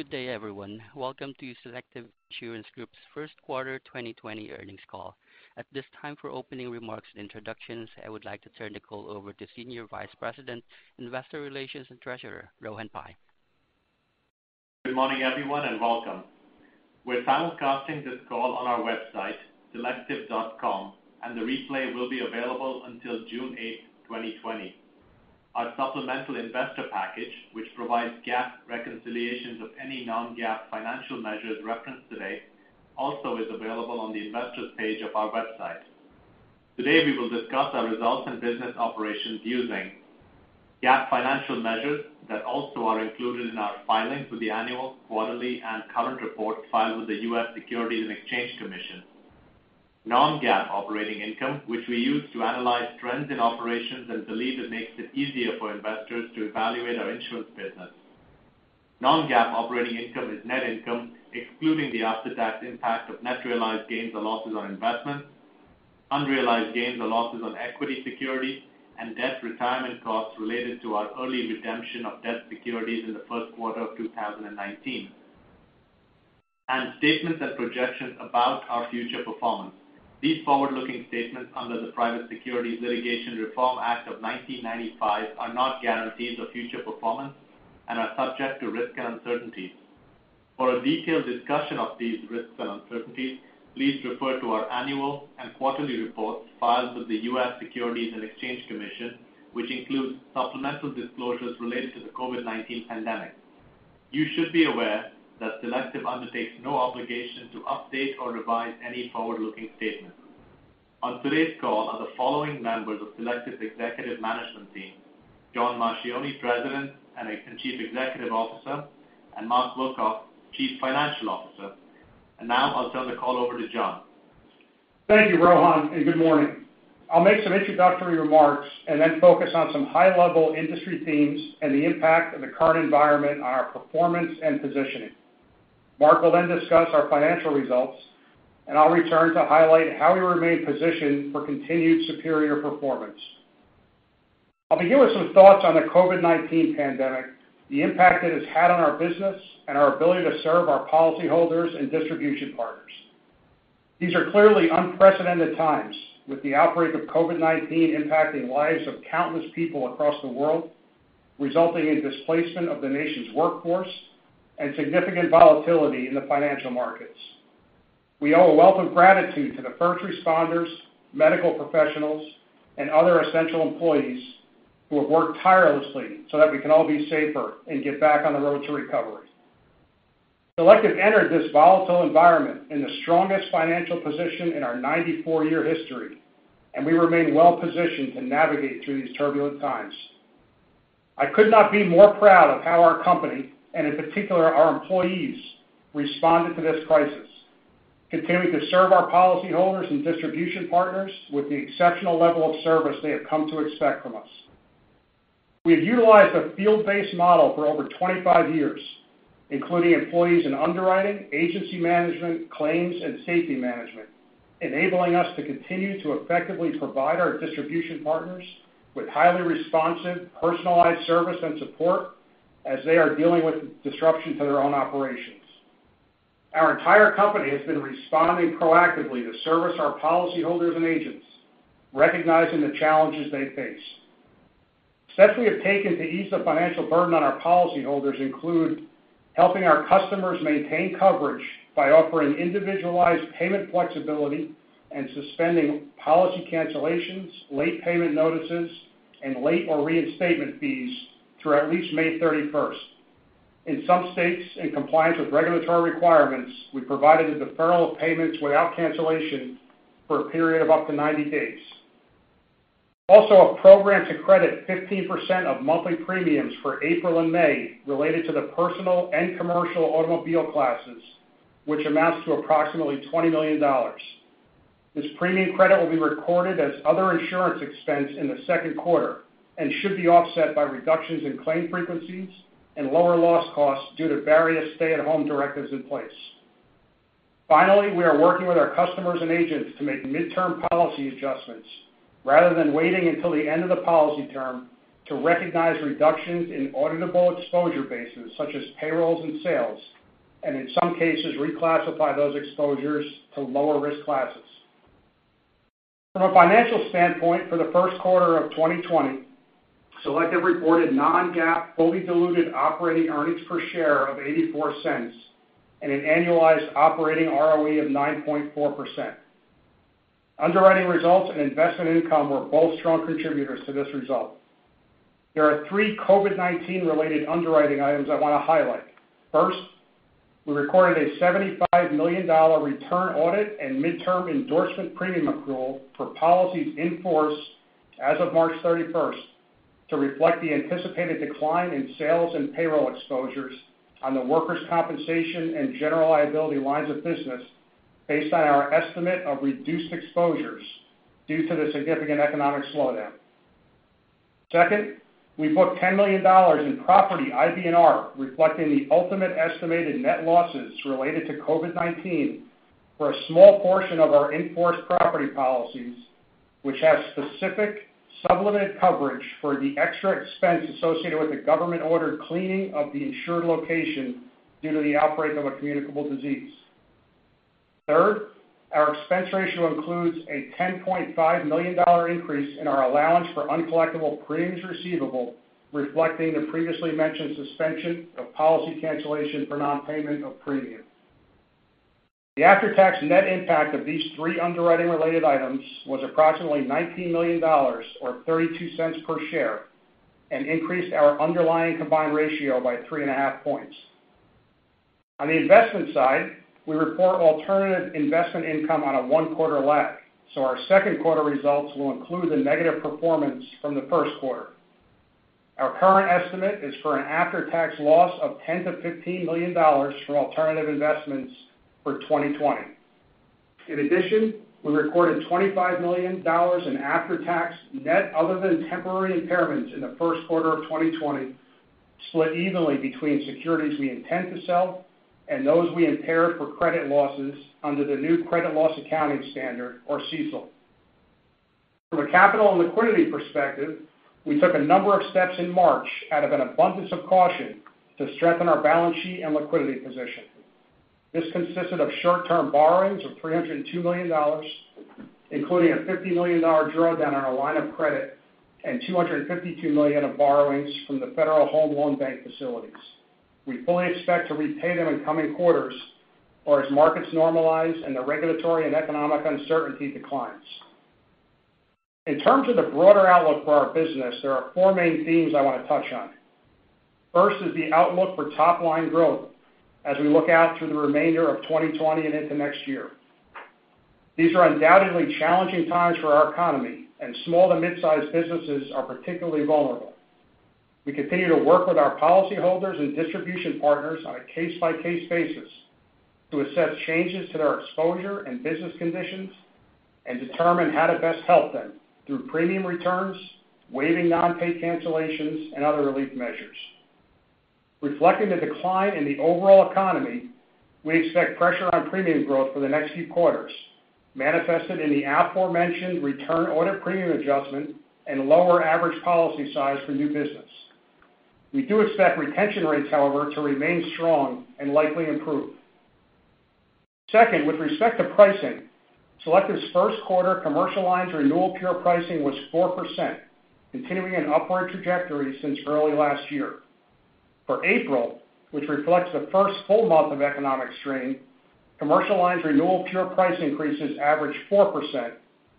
Good day, everyone. Welcome to Selective Insurance Group's first quarter 2020 earnings call. At this time, for opening remarks and introductions, I would like to turn the call over to Senior Vice President, Investor Relations and Treasurer, Rohan Pai. Good morning, everyone. Welcome. We're simulcasting this call on our website, selective.com, and the replay will be available until June 8th, 2020. Our supplemental investor package, which provides GAAP reconciliations of any non-GAAP financial measures referenced today, also is available on the investor's page of our website. Today, we will discuss our results and business operations using GAAP financial measures that also are included in our filings with the annual, quarterly, and current reports filed with the U.S. Securities and Exchange Commission. Non-GAAP operating income, which we use to analyze trends in operations and believe it makes it easier for investors to evaluate our insurance business. Non-GAAP operating income is net income, excluding the after-tax impact of net realized gains or losses on investments, unrealized gains or losses on equity securities, and debt retirement costs related to our early redemption of debt securities in the first quarter of 2019. Statements and projections about our future performance. These forward-looking statements under the Private Securities Litigation Reform Act of 1995 are not guarantees of future performance and are subject to risk and uncertainties. For a detailed discussion of these risks and uncertainties, please refer to our annual and quarterly reports filed with the U.S. Securities and Exchange Commission, which includes supplemental disclosures related to the COVID-19 pandemic. You should be aware that Selective undertakes no obligation to update or revise any forward-looking statements. On today's call are the following members of Selective's executive management team: John Marchioni, President and Chief Executive Officer, and Mark Wilcox, Chief Financial Officer. Now I'll turn the call over to John. Thank you, Rohan. Good morning. I'll make some introductory remarks and then focus on some high-level industry themes and the impact of the current environment on our performance and positioning. Mark will discuss our financial results, and I'll return to highlight how we remain positioned for continued superior performance. I'll begin with some thoughts on the COVID-19 pandemic, the impact it has had on our business, and our ability to serve our policyholders and distribution partners. These are clearly unprecedented times. With the outbreak of COVID-19 impacting lives of countless people across the world, resulting in displacement of the nation's workforce and significant volatility in the financial markets. We owe a wealth of gratitude to the first responders, medical professionals, and other essential employees who have worked tirelessly so that we can all be safer and get back on the road to recovery. Selective entered this volatile environment in the strongest financial position in our 94-year history, and we remain well-positioned to navigate through these turbulent times. I could not be more proud of how our company, and in particular our employees, responded to this crisis, continuing to serve our policyholders and distribution partners with the exceptional level of service they have come to expect from us. We have utilized a field-based model for over 25 years, including employees in underwriting, agency management, claims, and safety management, enabling us to continue to effectively provide our distribution partners with highly responsive, personalized service and support as they are dealing with disruption to their own operations. Our entire company has been responding proactively to service our policyholders and agents, recognizing the challenges they face. Steps we have taken to ease the financial burden on our policyholders include helping our customers maintain coverage by offering individualized payment flexibility and suspending policy cancellations, late payment notices, and late or reinstatement fees through at least May 31st. In some states, in compliance with regulatory requirements, we provided a deferral of payments without cancellation for a period of up to 90 days. Also, a program to credit 15% of monthly premiums for April and May related to the personal and commercial automobile classes, which amounts to approximately $20 million. This premium credit will be recorded as other insurance expense in the second quarter and should be offset by reductions in claim frequencies and lower loss costs due to various stay-at-home directives in place. Finally, we are working with our customers and agents to make midterm policy adjustments rather than waiting until the end of the policy term to recognize reductions in auditable exposure bases such as payrolls and sales, and in some cases, reclassify those exposures to lower-risk classes. From a financial standpoint, for the first quarter of 2020, Selective reported non-GAAP, fully diluted operating earnings per share of $0.84 and an annualized operating ROE of 9.4%. Underwriting results and investment income were both strong contributors to this result. There are three COVID-19 related underwriting items I want to highlight. First, we recorded a $75 million return audit and midterm endorsement premium accrual for policies in force as of March 31st to reflect the anticipated decline in sales and payroll exposures on the Workers' Compensation and General Liability lines of business based on our estimate of reduced exposures due to the significant economic slowdown. Second, we booked $10 million in property IBNR, reflecting the ultimate estimated net losses related to COVID-19 for a small portion of our in-force property policies Which has specific sub-limit coverage for the extra expense associated with the government-ordered cleaning of the insured location due to the outbreak of a communicable disease. Third, our expense ratio includes a $10.5 million increase in our allowance for uncollectible premiums receivable, reflecting the previously mentioned suspension of policy cancellation for non-payment of premium. The after-tax net impact of these three underwriting related items was approximately $19 million or $0.32 per share, increased our underlying combined ratio by three and a half points. On the investment side, we report alternative investment income on a one-quarter lag, our second quarter results will include the negative performance from the first quarter. Our current estimate is for an after-tax loss of $10 million-$15 million from alternative investments for 2020. In addition, we recorded $25 million in after-tax net other than temporary impairments in the first quarter of 2020, split evenly between securities we intend to sell and those we impaired for credit losses under the new credit loss accounting standard or CECL. From a capital and liquidity perspective, we took a number of steps in March out of an abundance of caution to strengthen our balance sheet and liquidity position. This consisted of short-term borrowings of $302 million, including a $50 million draw down on our line of credit and $252 million of borrowings from the Federal Home Loan Banks facilities. We fully expect to repay them in coming quarters, as markets normalize and the regulatory and economic uncertainty declines. In terms of the broader outlook for our business, there are four main themes I want to touch on. First is the outlook for top-line growth as we look out through the remainder of 2020 and into next year. These are undoubtedly challenging times for our economy, and small to mid-size businesses are particularly vulnerable. We continue to work with our policyholders and distribution partners on a case-by-case basis to assess changes to their exposure and business conditions and determine how to best help them through premium returns, waiving non-pay cancellations, and other relief measures. Reflecting the decline in the overall economy, we expect pressure on premium growth for the next few quarters, manifested in the aforementioned return audit premium adjustment and lower average policy size for new business. We do expect retention rates, however, to remain strong and likely improve. Second, with respect to pricing, Selective's first quarter commercial lines renewal pure pricing was 4%, continuing an upward trajectory since early last year. For April, which reflects the first full month of economic strain, commercial lines renewal pure price increases averaged 4%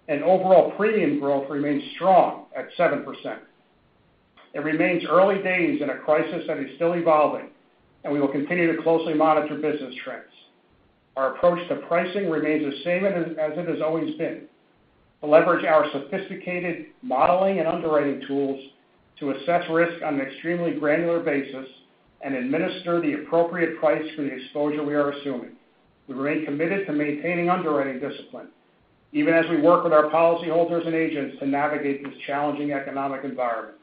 and overall premium growth remains strong at 7%. It remains early days in a crisis that is still evolving, we will continue to closely monitor business trends. Our approach to pricing remains the same as it has always been. To leverage our sophisticated modeling and underwriting tools to assess risk on an extremely granular basis, administer the appropriate price for the exposure we are assuming. We remain committed to maintaining underwriting discipline, even as we work with our policyholders and agents to navigate this challenging economic environment.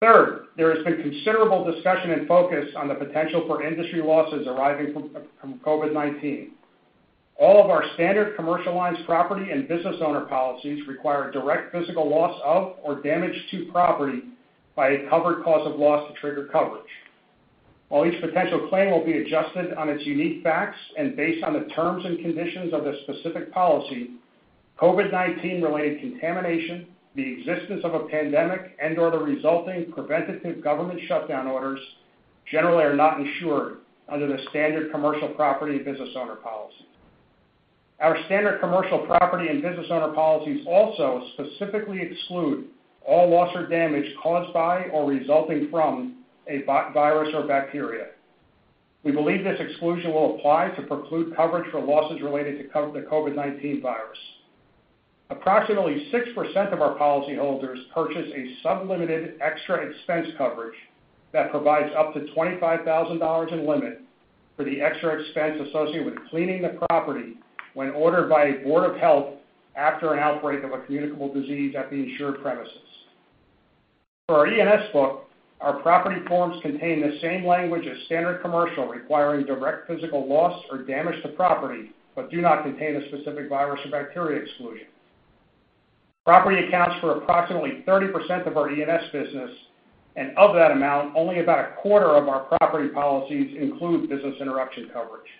Third, there has been considerable discussion and focus on the potential for industry losses arising from COVID-19. All of our standard commercial lines property and business owner policies require direct physical loss of or damage to property by a covered cause of loss to trigger coverage. While each potential claim will be adjusted on its unique facts and based on the terms and conditions of the specific policy, COVID-19 related contamination, the existence of a pandemic, and/or the resulting preventative government shutdown orders generally are not insured under the standard commercial property and business owner policy. Our Standard Commercial Property and business owner policies also specifically exclude all loss or damage caused by or resulting from a virus or bacteria. We believe this exclusion will apply to preclude coverage for losses related to the COVID-19 virus. Approximately 6% of our policyholders purchase a sub-limited extra expense coverage that provides up to $25,000 in limit for the extra expense associated with cleaning the property when ordered by a board of health after an outbreak of a communicable disease at the insured premises. For our E&S book, our property forms contain the same language as Standard Commercial, requiring direct physical loss or damage to property, but do not contain a specific virus or bacteria exclusion. Property accounts for approximately 30% of our E&S business, and of that amount, only about a quarter of our property policies include business interruption coverage.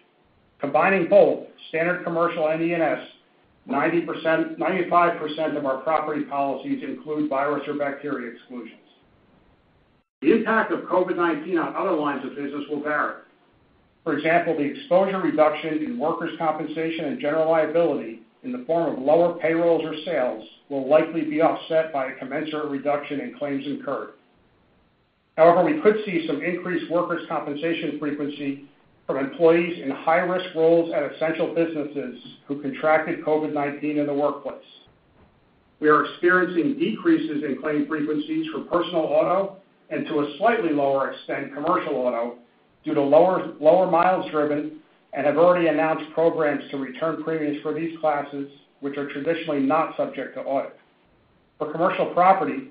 Combining both Standard Commercial and E&S, 95% of our property policies include virus or bacteria exclusions. The impact of COVID-19 on other lines of business will vary. For example, the exposure reduction in Workers' Compensation and General Liability in the form of lower payrolls or sales will likely be offset by a commensurate reduction in claims incurred. However, we could see some increased Workers' Compensation frequency from employees in high-risk roles at essential businesses who contracted COVID-19 in the workplace. We are experiencing decreases in claim frequencies for Personal Auto and to a slightly lower extent, Commercial Auto, due to lower miles driven and have already announced programs to return premiums for these classes, which are traditionally not subject to audit. For Commercial Property,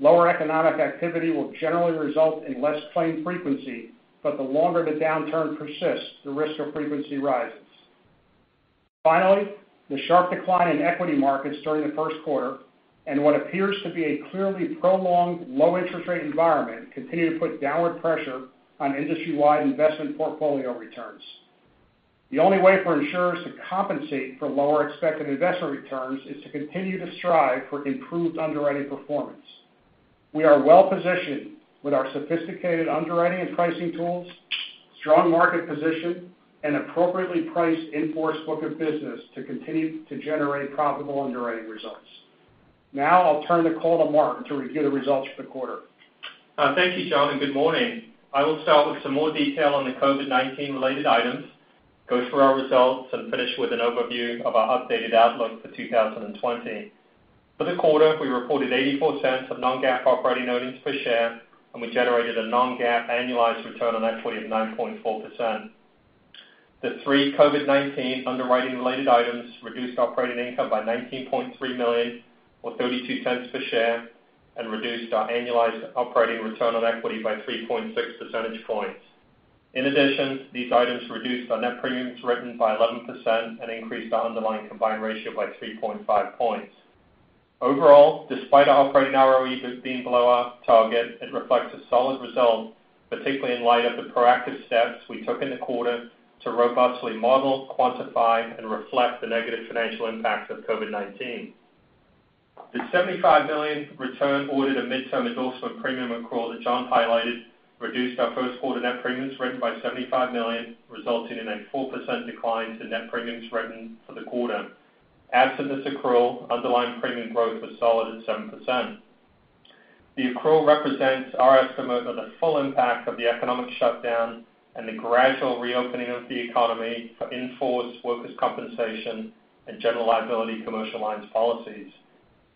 lower economic activity will generally result in less claim frequency, but the longer the downturn persists, the risk of frequency rises. Finally, the sharp decline in equity markets during the first quarter, and what appears to be a clearly prolonged low interest rate environment, continue to put downward pressure on industry-wide investment portfolio returns. The only way for insurers to compensate for lower expected investment returns is to continue to strive for improved underwriting performance. We are well-positioned with our sophisticated underwriting and pricing tools, strong market position, and appropriately priced in-force book of business, to continue to generate profitable underwriting results. I will turn the call to Mark to review the results for the quarter. Thank you, John, and good morning. I will start with some more detail on the COVID-19 related items, go through our results, and finish with an overview of our updated outlook for 2020. For the quarter, we reported $0.84 of non-GAAP operating earnings per share, and we generated a non-GAAP annualized return on equity of 9.4%. The three COVID-19 underwriting related items reduced operating income by $19.3 million or $0.32 per share, and reduced our annualized operating return on equity by 3.6 percentage points. In addition, these items reduced our net premiums written by 11% and increased our underlying combined ratio by 3.5 points. Overall, despite our operating ROE being below our target, it reflects a solid result, particularly in light of the proactive steps we took in the quarter to robustly model, quantify, and reflect the negative financial impacts of COVID-19. The $75 million return audit at midterm endorsement premium accrual that John highlighted, reduced our first quarter net premiums written by $75 million, resulting in a 4% decline to net premiums written for the quarter. Absent this accrual, underlying premium growth was solid at 7%. The accrual represents our estimate of the full impact of the economic shutdown and the gradual reopening of the economy for in-force Workers' Compensation and General Liability Commercial Lines policies.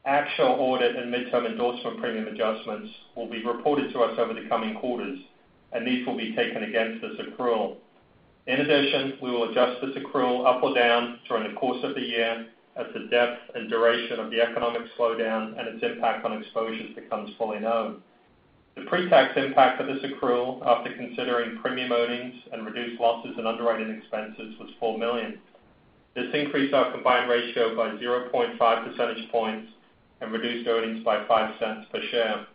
Actual audit and midterm endorsement premium adjustments will be reported to us over the coming quarters, and these will be taken against this accrual. In addition, we will adjust this accrual up or down during the course of the year as the depth and duration of the economic slowdown and its impact on exposures becomes fully known. The pre-tax impact of this accrual, after considering premium earnings and reduced losses and underwriting expenses, was $4 million. This increased our combined ratio by 0.5 percentage points and reduced earnings by $0.05 per share.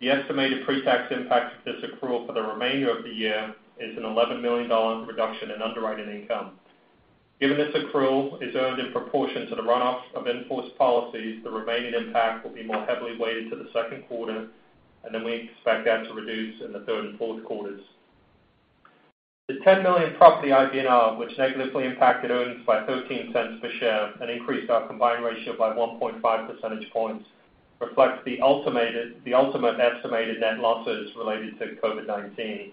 The estimated pre-tax impact of this accrual for the remainder of the year is an $11 million reduction in underwriting income. Given this accrual is earned in proportion to the run-off of in-force policies, the remaining impact will be more heavily weighted to the second quarter, and then we expect that to reduce in the third and fourth quarters. The $10 million property IBNR, which negatively impacted earnings by $0.13 per share and increased our combined ratio by 1.5 percentage points, reflects the ultimate estimated net losses related to COVID-19.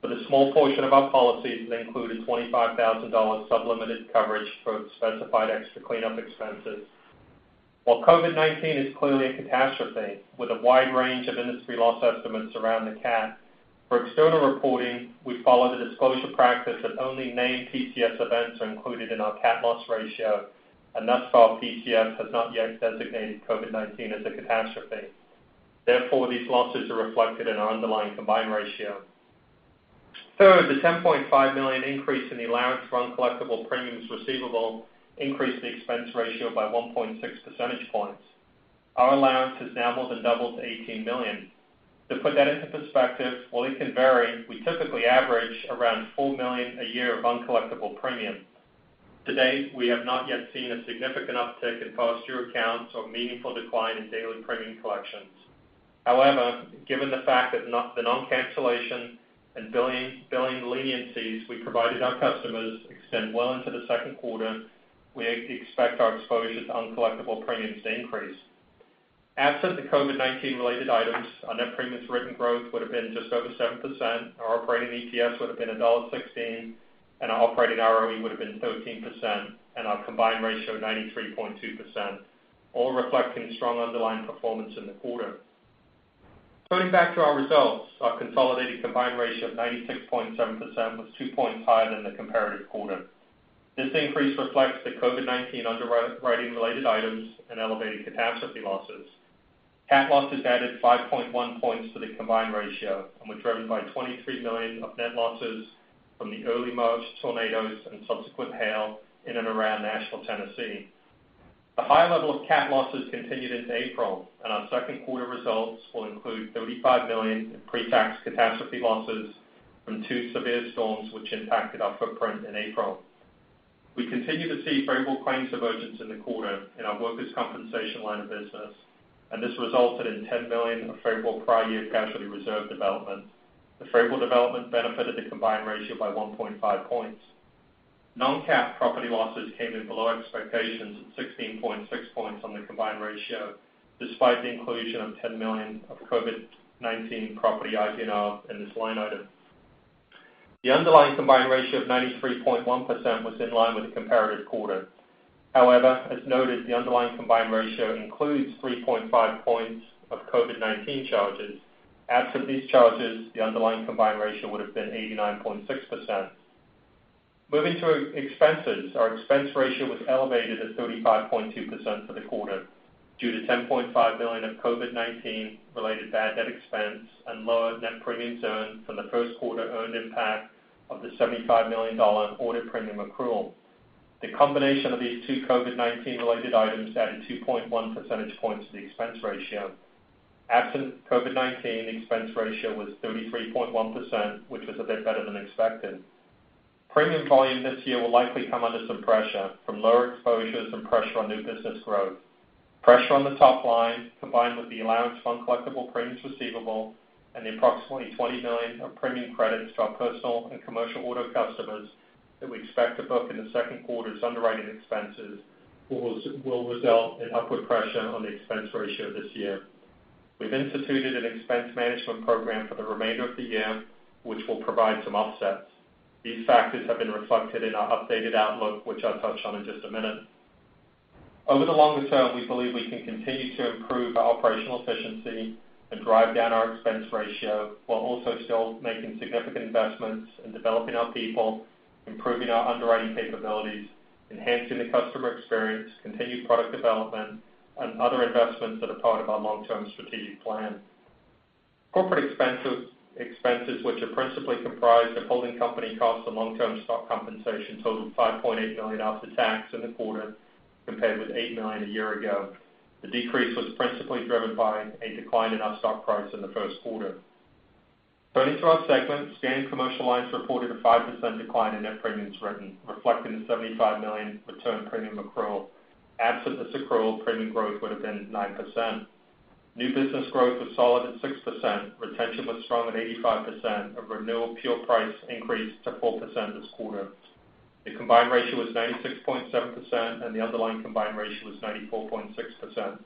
For the small portion of our policies that include a $25,000 sub-limited coverage for specified extra cleanup expenses. While COVID-19 is clearly a catastrophe with a wide range of industry loss estimates around the CAT, for external reporting, we follow the disclosure practice that only named PCS events are included in our CAT loss ratio, and thus far, PCS has not yet designated COVID-19 as a catastrophe. Therefore, these losses are reflected in our underlying combined ratio. Third, the $10.5 million increase in the allowance for uncollectible premiums receivable increased the expense ratio by 1.6 percentage points. Our allowance has now more than doubled to $18 million. To put that into perspective, while it can vary, we typically average around $4 million a year of uncollectible premiums. To date, we have not yet seen a significant uptick in past due accounts or meaningful decline in daily premium collections. However, given the fact that the non-cancellation and billing leniencies we provided our customers extend well into the second quarter, we expect our exposure to uncollectible premiums to increase. Absent the COVID-19 related items, our net premiums written growth would have been just over 7%, our operating EPS would have been $1.16, and our operating ROE would have been 13%, and our combined ratio 93.2%, all reflecting strong underlying performance in the quarter. Turning back to our results, our consolidated combined ratio of 96.7% was 2 points higher than the comparative quarter. This increase reflects the COVID-19 underwriting related items and elevated catastrophe losses. CAT losses added 5.1 points to the combined ratio, and were driven by $23 million of net losses from the early March tornadoes and subsequent hail in and around Nashville, Tennessee. The high level of CAT losses continued into April. Our second quarter results will include $35 million in pre-tax catastrophe losses from two severe storms which impacted our footprint in April. We continue to see favorable claims emergence in the quarter in our Workers' Compensation line of business. This resulted in $10 million of favorable prior year casualty reserve development. The favorable development benefited the combined ratio by 1.5 points. Non-CAT property losses came in below expectations at 16.6 points on the combined ratio, despite the inclusion of $10 million of COVID-19 property IBNR in this line item. The underlying combined ratio of 93.1% was in line with the comparative quarter. As noted, the underlying combined ratio includes 3.5 points of COVID-19 charges. Absent these charges, the underlying combined ratio would have been 89.6%. Moving to expenses, our expense ratio was elevated at 35.2% for the quarter due to $10.5 billion of COVID-19 related bad debt expense and lower net premiums earned from the first quarter earned impact of the $75 million quarter premium accrual. The combination of these two COVID-19 related items added 2.1 percentage points to the expense ratio. Absent COVID-19, the expense ratio was 33.1%, which was a bit better than expected. Premium volume this year will likely come under some pressure from lower exposures and pressure on new business growth. Pressure on the top line, combined with the allowance for uncollectible premiums receivable and the approximately $20 million of premium credits to our Personal and Commercial Auto customers that we expect to book in the second quarter's underwriting expenses, will result in upward pressure on the expense ratio this year. We've instituted an expense management program for the remainder of the year, which will provide some offsets. These factors have been reflected in our updated outlook, which I'll touch on in just a minute. Over the longer term, we believe we can continue to improve our operational efficiency and drive down our expense ratio while also still making significant investments in developing our people, improving our underwriting capabilities, enhancing the customer experience, continued product development and other investments that are part of our long-term strategic plan. Corporate expenses, which are principally comprised of holding company costs and long-term stock compensation, totaled $5.8 million after tax in the quarter, compared with $8 million a year ago. The decrease was principally driven by a decline in our stock price in the first quarter. Turning to our segment, Standard Commercial Lines reported a 5% decline in net premiums written, reflecting the $75 million return premium accrual. Absent this accrual, premium growth would have been 9%. New business growth was solid at 6%. Retention was strong at 85% of renewal pure price increased to 4% this quarter. The combined ratio was 96.7%, and the underlying combined ratio was 94.6%.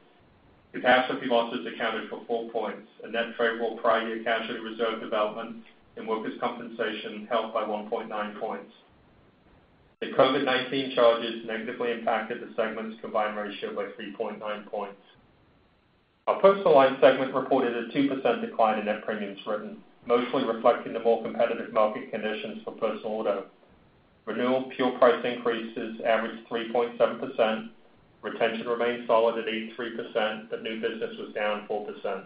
Catastrophe losses accounted for four points. Net favorable prior year casualty reserve development in Workers' Compensation held by 1.9 points. The COVID-19 charges negatively impacted the segment's combined ratio by 3.9 points. Our Personal Lines segment reported a 2% decline in net premiums written, mostly reflecting the more competitive market conditions for Personal Auto. Renewal pure price increases averaged 3.7%. Retention remained solid at 83%. New business was down 4%.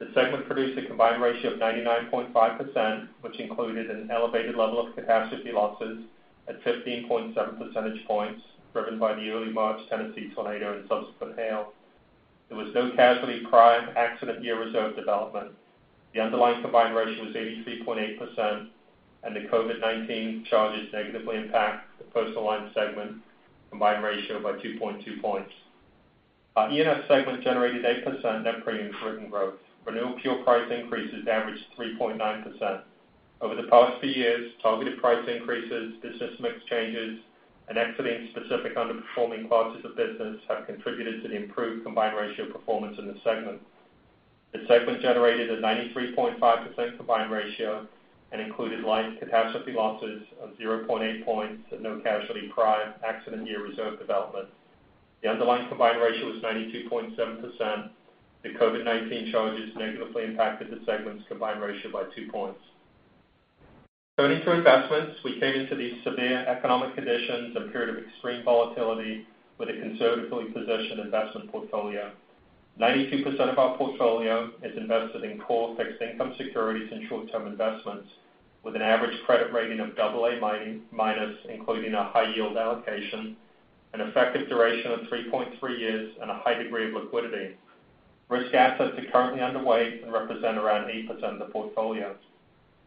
The segment produced a combined ratio of 99.5%, which included an elevated level of catastrophe losses at 15.7 percentage points, driven by the early March Tennessee tornado and subsequent hail. There was no casualty prior accident year reserve development. The underlying combined ratio was 83.8%, and the COVID-19 charges negatively impact the Personal Lines segment combined ratio by 2.2 points. Our E&S segment generated 8% net premiums written growth. Renewal pure price increases averaged 3.9%. Over the past few years, targeted price increases, business mix changes and exiting specific underperforming classes of business have contributed to the improved combined ratio performance in the segment. The segment generated a 93.5% combined ratio and included light catastrophe losses of 0.8 points and no casualty prior accident year reserve development. The underlying combined ratio was 92.7%. The COVID-19 charges negatively impacted the segment's combined ratio by 2 points. Turning to investments, we came into these severe economic conditions, a period of extreme volatility with a conservatively positioned investment portfolio. 92% of our portfolio is invested in core fixed income securities and short-term investments, with an average credit rating of AA-, including our high yield allocation, an effective duration of 3.3 years, and a high degree of liquidity. Risk assets are currently underweight and represent around 8% of the portfolio.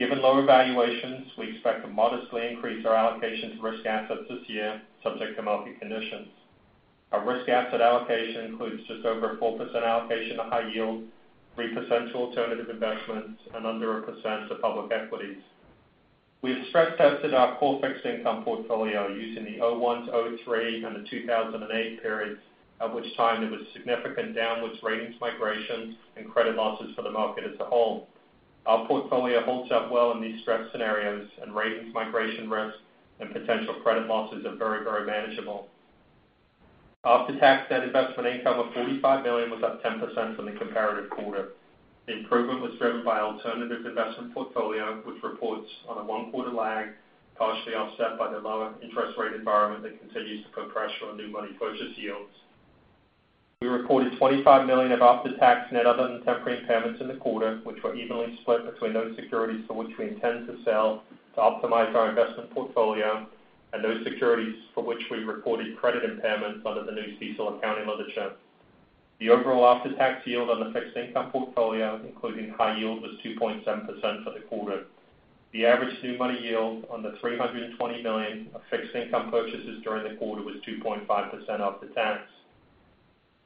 Given lower valuations, we expect to modestly increase our allocation to risk assets this year, subject to market conditions. Our risk asset allocation includes just over 4% allocation to high yield, 3% to alternative investments, and under 1% to public equities. We have stress tested our core fixed income portfolio using the 2001 to 2003 and the 2008 periods, at which time there was significant downwards ratings migrations and credit losses for the market as a whole. Our portfolio holds up well in these stress scenarios, and ratings migration risk and potential credit losses are very manageable. After-tax net investment income of $45 billion was up 10% from the comparative quarter. The improvement was driven by alternative investment portfolio, which reports on a one-quarter lag, partially offset by the lower interest rate environment that continues to put pressure on new money purchase yields. We reported $25 million of after-tax net other than temporary impairments in the quarter, which were evenly split between those securities for which we intend to sell to optimize our investment portfolio and those securities for which we reported credit impairments under the new CECL accounting literature. The overall after-tax yield on the fixed income portfolio, including high yield, was 2.7% for the quarter. The average new money yield on the $320 million of fixed income purchases during the quarter was 2.5% after tax.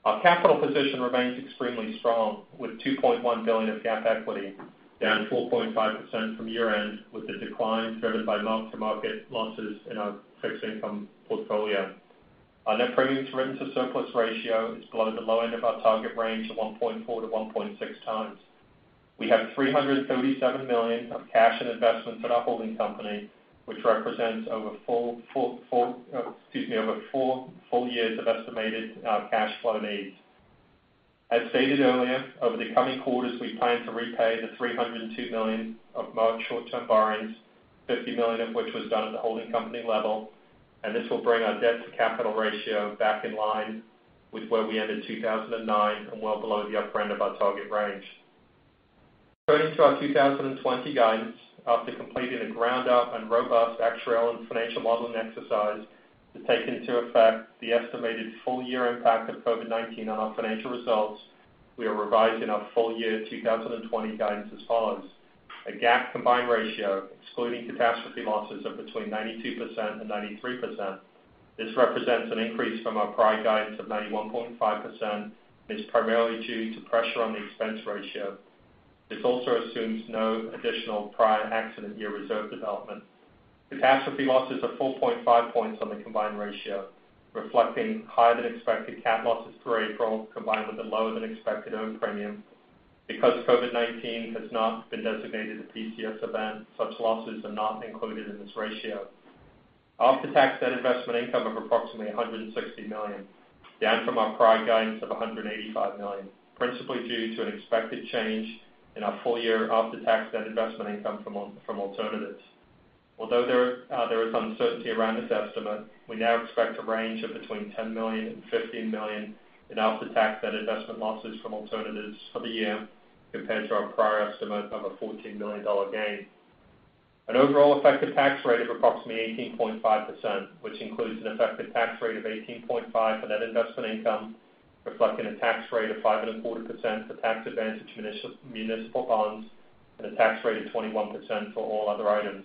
Our capital position remains extremely strong with $2.1 billion of GAAP equity down 4.5% from year-end, with the decline driven by mark-to-market losses in our fixed income portfolio. Our net premiums written to surplus ratio is below the low end of our target range of 1.4-1.6 times. We have $337 million of cash and investments in our holding company, which represents over four full years of estimated cash flow needs. As stated earlier, over the coming quarters, we plan to repay the $302 million of short-term borrowings, $50 million of which was done at the holding company level, and this will bring our debt-to-capital ratio back in line with where we ended 2009 and well below the upper end of our target range. Turning to our 2020 guidance, after completing a ground-up and robust actuarial and financial modeling exercise to take into effect the estimated full-year impact of COVID-19 on our financial results, we are revising our full-year 2020 guidance as follows. A GAAP combined ratio excluding catastrophe losses of between 92% and 93%. This represents an increase from our prior guidance of 91.5% and is primarily due to pressure on the expense ratio. This also assumes no additional prior accident year reserve development. Catastrophe losses are 4.5 points on the combined ratio, reflecting higher-than-expected cat losses for April combined with a lower-than-expected earned premium. Because COVID-19 has not been designated a PCS event, such losses are not included in this ratio. After-tax net investment income of approximately $160 million, down from our prior guidance of $185 million, principally due to an expected change in our full-year after-tax net investment income from alternatives. Although there is uncertainty around this estimate, we now expect a range of between $10 million and $15 million in after-tax net investment losses from alternatives for the year, compared to our prior estimate of a $14 million gain. An overall effective tax rate of approximately 18.5%, which includes an effective tax rate of 18.5% on net investment income, reflecting a tax rate of 5.25% for tax-advantaged municipal bonds and a tax rate of 21% for all other items.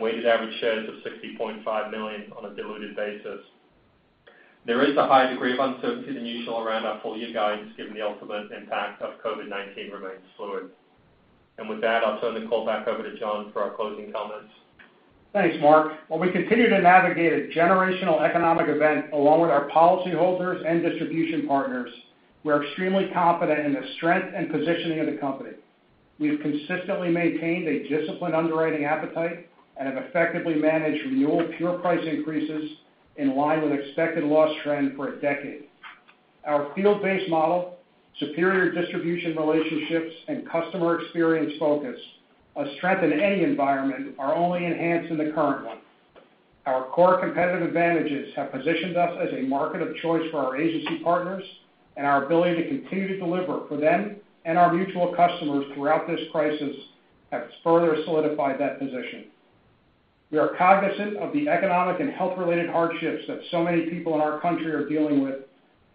Weighted average shares of 60.5 million on a diluted basis. There is a high degree of uncertainty than usual around our full-year guidance, given the ultimate impact of COVID-19 remains fluid. With that, I'll turn the call back over to John for our closing comments. Thanks, Mark. While we continue to navigate a generational economic event along with our policyholders and distribution partners, we're extremely confident in the strength and positioning of the company. We have consistently maintained a disciplined underwriting appetite and have effectively managed renewal pure price increases in line with expected loss trend for a decade. Our field-based model, superior distribution relationships, and customer experience focus, a strength in any environment, are only enhanced in the current one. Our core competitive advantages have positioned us as a market of choice for our agency partners, and our ability to continue to deliver for them and our mutual customers throughout this crisis has further solidified that position. We are cognizant of the economic and health-related hardships that so many people in our country are dealing with,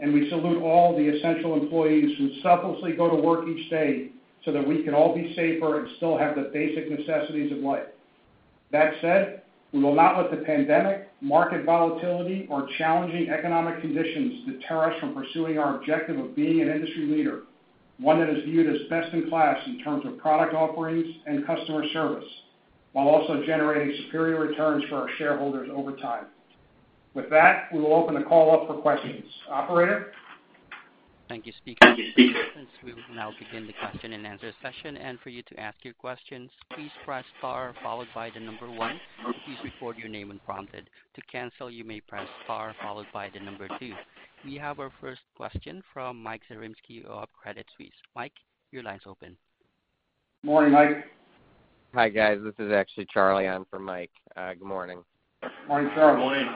and we salute all the essential employees who selflessly go to work each day so that we can all be safer and still have the basic necessities of life. That said, we will not let the pandemic, market volatility, or challenging economic conditions deter us from pursuing our objective of being an industry leader, one that is viewed as best in class in terms of product offerings and customer service, while also generating superior returns for our shareholders over time. With that, we will open the call up for questions. Operator? Thank you, speaker. We will now begin the question-and-answer session. For you to ask your questions, please press star followed by the number 1. Please record your name when prompted. To cancel, you may press star followed by the number 2. We have our first question from Michael Zaremski of Credit Suisse. Mike, your line's open. Morning, Mike. Hi, guys. This is actually Charlie. I'm for Mike. Good morning. Morning, Charlie. Morning.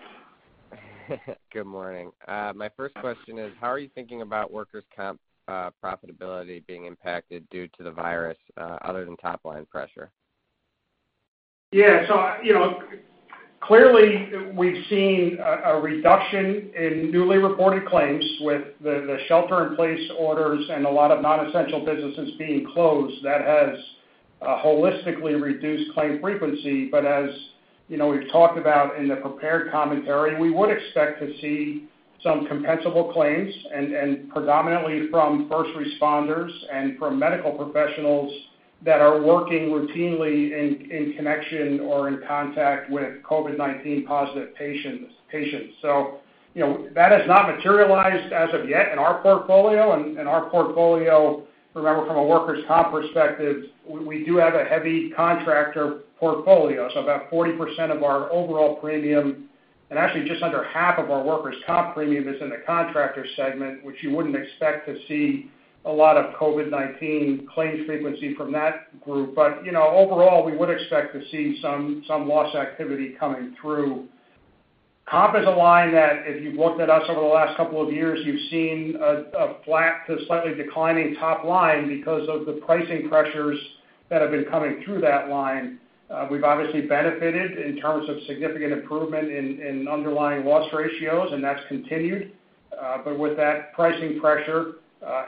Good morning. My first question is, how are you thinking about Workers' Comp profitability being impacted due to the virus other than top-line pressure? Yeah. Clearly, we've seen a reduction in newly reported claims with the shelter-in-place orders and a lot of non-essential businesses being closed. That has holistically reduced claim frequency. As we've talked about in the prepared commentary, we would expect to see some compensable claims, and predominantly from first responders and from medical professionals that are working routinely in connection or in contact with COVID-19 positive patients. That has not materialized as of yet in our portfolio. Our portfolio, remember, from a Workers' Comp perspective, we do have a heavy contractor portfolio. About 40% of our overall premium, and actually just under half of our Workers' Comp premium is in the contractor segment, which you wouldn't expect to see a lot of COVID-19 claims frequency from that group. Overall, we would expect to see some loss activity coming through. Comp is a line that if you've looked at us over the last couple of years, you've seen a flat to slightly declining top line because of the pricing pressures that have been coming through that line. We've obviously benefited in terms of significant improvement in underlying loss ratios, and that's continued. With that pricing pressure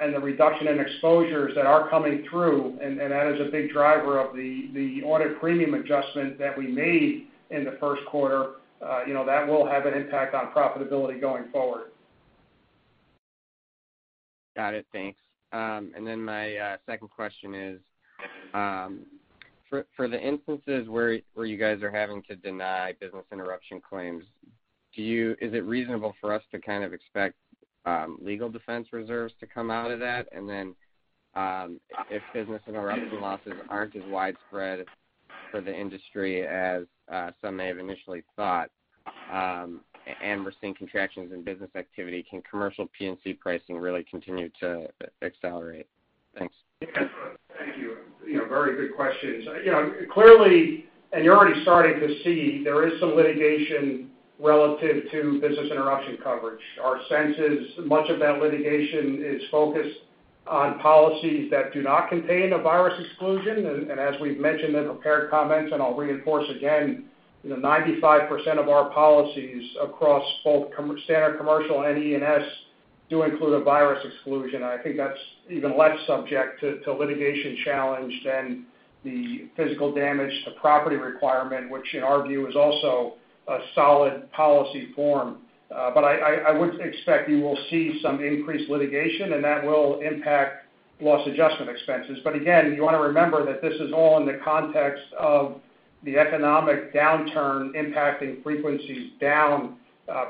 and the reduction in exposures that are coming through, and that is a big driver of the audit premium adjustment that we made in the first quarter, that will have an impact on profitability going forward. Got it. Thanks. My second question is, for the instances where you guys are having to deny business interruption claims, is it reasonable for us to kind of expect legal defense reserves to come out of that? If business interruption losses aren't as widespread for the industry as some may have initially thought and we're seeing contractions in business activity, can commercial P&C pricing really continue to accelerate? Thanks. Thank you. Very good questions. Clearly, you're already starting to see, there is some litigation relative to business interruption coverage. Our sense is much of that litigation is focused on policies that do not contain a virus exclusion. As we've mentioned in prepared comments, I'll reinforce again, 95% of our policies across both Standard Commercial Lines and E&S do include a virus exclusion. I think that's even less subject to litigation challenge than the physical damage to property requirement, which in our view is also a solid policy form. I would expect you will see some increased litigation, that will impact loss adjustment expenses. Again, you want to remember that this is all in the context of the economic downturn impacting frequencies down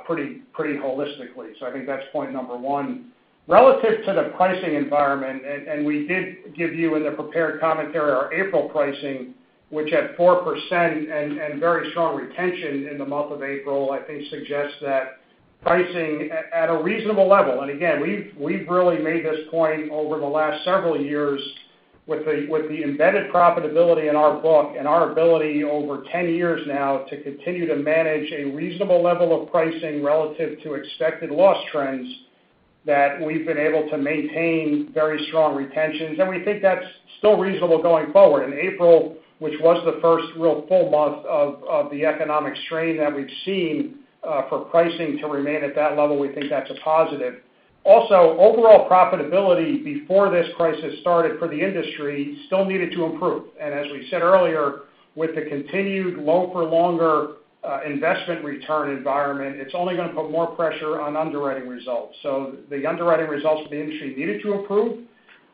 pretty holistically. I think that's point number one. Relative to the pricing environment, we did give you in the prepared commentary our April pricing, which at 4% and very strong retention in the month of April, I think suggests that pricing at a reasonable level. Again, we've really made this point over the last several years with the embedded profitability in our book and our ability over 10 years now to continue to manage a reasonable level of pricing relative to expected loss trends, that we've been able to maintain very strong retentions. We think that's still reasonable going forward. In April, which was the first real full month of the economic strain that we've seen, for pricing to remain at that level, we think that's a positive. Also, overall profitability before this crisis started for the industry still needed to improve. As we said earlier, with the continued lower for longer investment return environment, it's only going to put more pressure on underwriting results. The underwriting results for the industry needed to improve.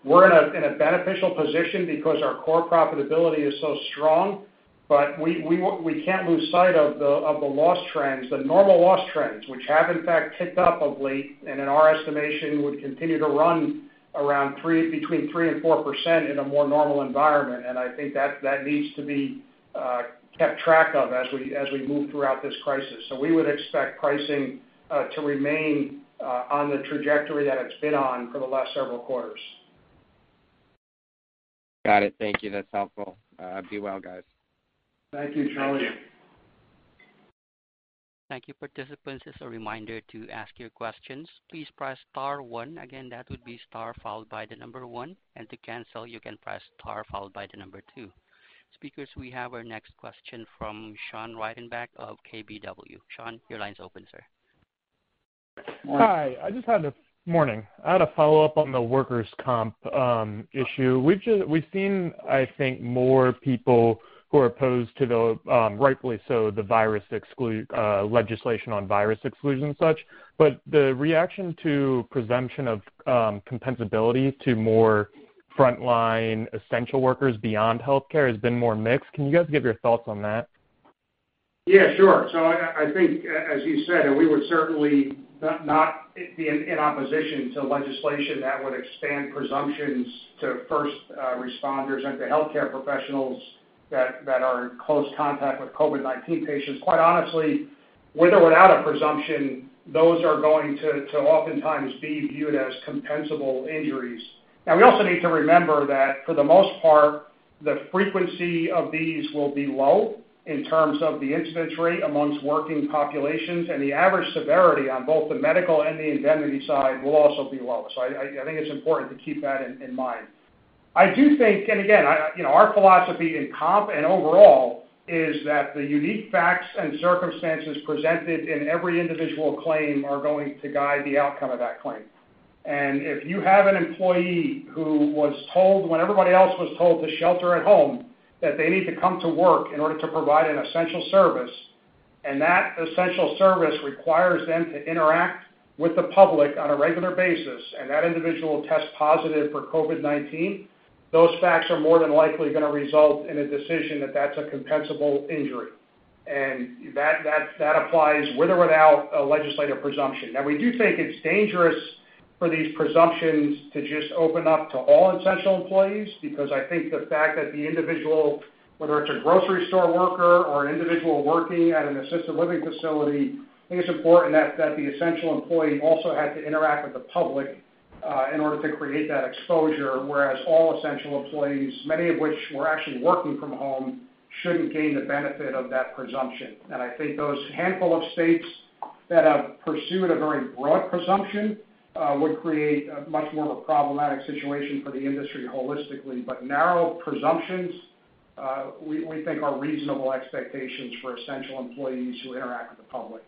We're in a beneficial position because our core profitability is so strong, but we can't lose sight of the loss trends, the normal loss trends, which have in fact ticked up of late, and in our estimation would continue to run around between 3% and 4% in a more normal environment. I think that needs to be kept track of as we move throughout this crisis. We would expect pricing to remain on the trajectory that it's been on for the last several quarters. Got it. Thank you. That's helpful. Be well, guys. Thank you, Charlie. Thank you, participants. As a reminder to ask your questions, please press star one. Again, that would be star followed by the number one. To cancel, you can press star followed by the number two. Speakers, we have our next question from Meyer Shields of KBW. Meyer, your line's open, sir. Hi. Morning. I had a follow-up on the Workers' Comp issue. We've seen, I think, more people who are opposed to the, rightfully so, legislation on virus exclusion and such. The reaction to presumption of compensability to more frontline essential workers beyond healthcare has been more mixed. Can you guys give your thoughts on that? Yeah, sure. I think, as you said, we would certainly not be in opposition to legislation that would expand presumptions to first responders and to healthcare professionals that are in close contact with COVID-19 patients. Quite honestly, with or without a presumption, those are going to oftentimes be viewed as compensable injuries. Now, we also need to remember that for the most part, the frequency of these will be low in terms of the incident rate amongst working populations, and the average severity on both the medical and the indemnity side will also be low. I think it's important to keep that in mind. I do think, and again, our philosophy in Comp and overall is that the unique facts and circumstances presented in every individual claim are going to guide the outcome of that claim. If you have an employee who was told when everybody else was told to shelter at home that they need to come to work in order to provide an essential service, and that essential service requires them to interact with the public on a regular basis, and that individual tests positive for COVID-19, those facts are more than likely going to result in a decision that that's a compensable injury. That applies with or without a legislative presumption. We do think it's dangerous for these presumptions to just open up to all essential employees, because I think the fact that the individual, whether it's a grocery store worker or an individual working at an assisted living facility, I think it's important that the essential employee also had to interact with the public in order to create that exposure. Whereas all essential employees, many of which were actually working from home, shouldn't gain the benefit of that presumption. I think those handful of states that have pursued a very broad presumption would create a much more problematic situation for the industry holistically. Narrow presumptions we think are reasonable expectations for essential employees who interact with the public.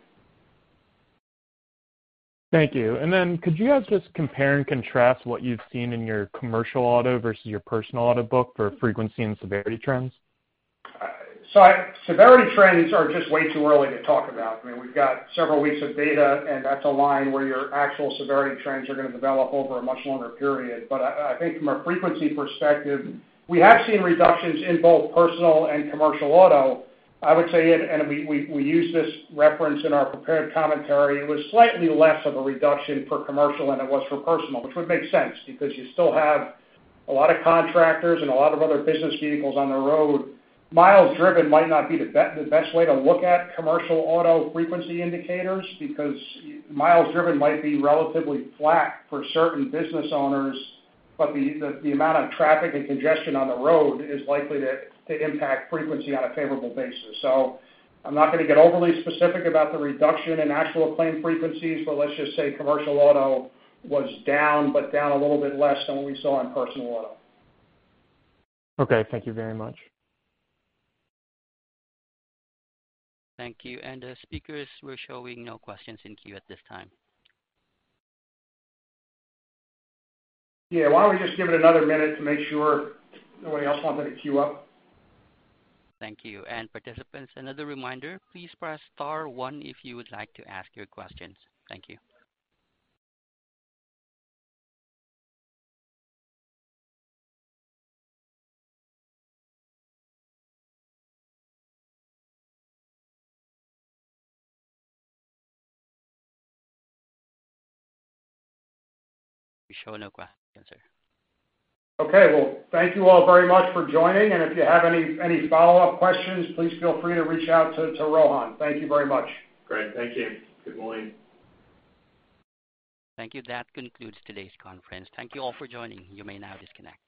Thank you. Could you guys just compare and contrast what you've seen in your Commercial Auto versus your Personal Auto book for frequency and severity trends? Severity trends are just way too early to talk about. We've got several weeks of data, that's a line where your actual severity trends are going to develop over a much longer period. I think from a frequency perspective, we have seen reductions in both personal and Commercial Auto. I would say, we use this reference in our prepared commentary, it was slightly less of a reduction for commercial than it was for personal, which would make sense because you still have a lot of contractors and a lot of other business vehicles on the road. Miles driven might not be the best way to look at Commercial Auto frequency indicators because miles driven might be relatively flat for certain business owners, but the amount of traffic and congestion on the road is likely to impact frequency on a favorable basis. I'm not going to get overly specific about the reduction in actual claim frequencies, but let's just say Commercial Auto was down, but down a little bit less than what we saw in Personal Auto. Thank you very much. Thank you. Speakers, we're showing no questions in queue at this time. Why don't we just give it another one minute to make sure nobody else wanted to queue up? Thank you. Participants, another reminder, please press star one if you would like to ask your questions. Thank you. We show no questions, sir. Well, thank you all very much for joining, and if you have any follow-up questions, please feel free to reach out to Rohan. Thank you very much. Great. Thank you. Good morning. Thank you. That concludes today's conference. Thank you all for joining. You may now disconnect.